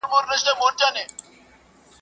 o د زور ياري، د خره سپارکي ده.